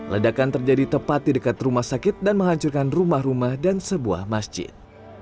ledakan terjadi tepat di dekat rumah sakit dan menghancurkan rumah rumah dan sebuah masjid